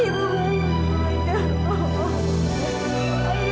ibu ina ibu bangun ina